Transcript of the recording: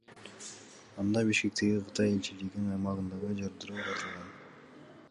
Анда Бишкектеги Кытай элчилигинин аймагындагы жардыруу тартылган.